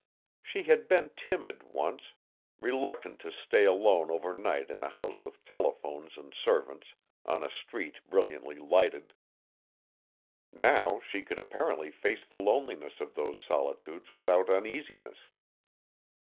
She had been timid once, reluctant to stay alone over night in a house with telephones and servants, on a street brilliantly lighted. Now she could apparently face the loneliness of those solitudes without uneasiness.